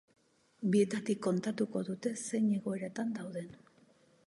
Bietatik kontatuko dute zein egoeratan dauden.